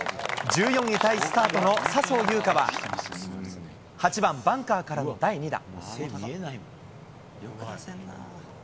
１４位タイスタートの笹生優花は８番、バンカーからの第２打。